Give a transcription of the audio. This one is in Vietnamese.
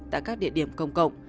tại các địa điểm công cộng